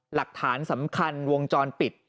หลักฐานสำคัญวงจรปิด